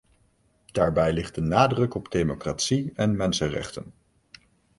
Daarbij ligt de nadruk op democratie en mensenrechten.